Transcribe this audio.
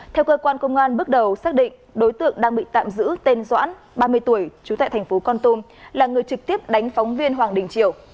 theo cơ quan công an bước đầu xác định đối tượng đang bị tạm giữ tên doãn ba mươi tuổi trú tại thành phố con tum là người trực tiếp đánh phóng viên hoàng đình triều